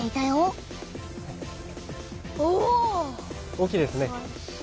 大きいですね。